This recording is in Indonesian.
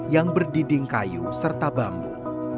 yang berdinding kayu serta bambu